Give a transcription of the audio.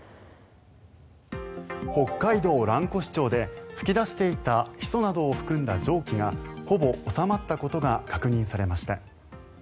北海道蘭越町で噴き出していたヒ素などを含んだ蒸気がほぼ収まったことが確認されました。